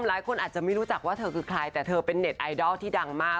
หลายคนอาจจะไม่รู้จักว่าเธอคือใครแต่เธอเป็นเน็ตไอดอลที่ดังมาก